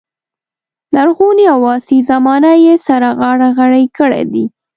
لرغونې او عصري زمانه یې سره غاړه غړۍ کړې دي.